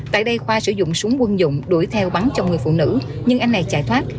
tại đây khoa sử dụng súng quân dụng đuổi theo bắn trong người phụ nữ nhưng anh này chạy thoát